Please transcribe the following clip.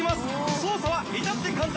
操作は至って簡単。